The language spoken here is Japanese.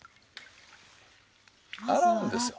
洗うんですよ。